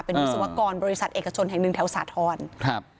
เป็นวิศวกรบริษัทเอกชนแห่งหนึ่งแถวสาธรณ์ครับ